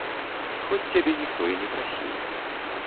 Хоць цябе ніхто і не прасіў.